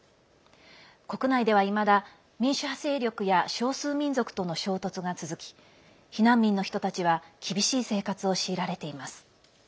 国内では、いまだ民主派勢力や少数民族との衝突が続き避難民の人たちは厳しい生活を強いられています。